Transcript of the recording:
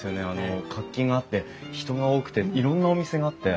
活気があって人が多くていろんなお店があって。